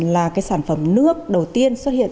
là sản phẩm nước đầu tiên xuất hiện